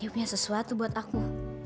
you punya sesuatu buat aku